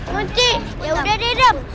mochi yaudah dap